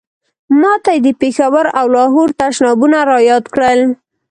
ما ته یې د پېښور او لاهور تشنابونه را یاد کړل.